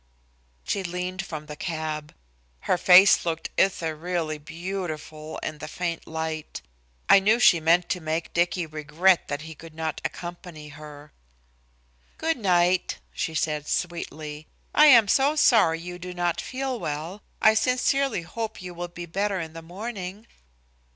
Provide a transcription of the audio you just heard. She leaned from the cab. Her face looked ethereally beautiful in the faint light. I knew she meant to make Dicky regret that he could not accompany her. "Good night," she said sweetly. "I am so sorry you do not feel well. I sincerely hope you will be better in the morning."